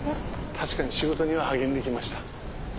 確かに仕事には励んできました。